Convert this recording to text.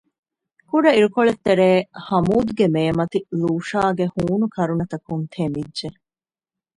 ކުޑަ ޢިރުކޮޅެއްތެރޭ ހަމޫދްގެ މޭމަތި ލޫޝާގެ ހޫނު ކަރުނަތަކުން ތެމިއްޖެ